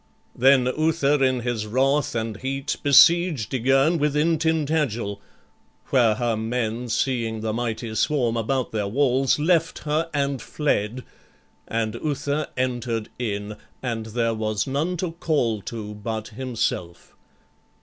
Then Uther in his wrath and heat besieged Ygerne within Tintagil, where her men, Seeing the mighty swarm about their walls, Left her and fled, and Uther enter'd in, And there was none to call to but himself.